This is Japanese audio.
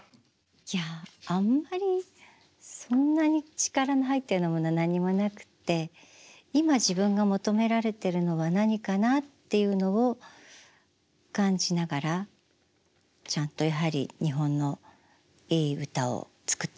いやあんまりそんなに力の入ったようなものは何もなくって今自分が求められてるのは何かなっていうのを感じながらちゃんとやはり日本のいい歌を作っていけたら。